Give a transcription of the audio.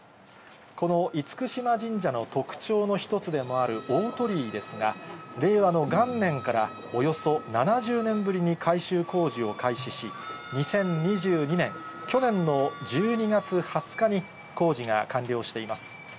この厳島神社の特徴の一つでもある大鳥居ですが、令和の元年からおよそ７０年ぶりに改修工事を開始し、２０２２年、去年の１２月２０日に工事が完了しています。